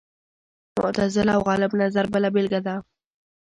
معتزله او غالب نظر بله بېلګه ده